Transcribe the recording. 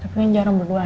tapi ini jarang berdua ya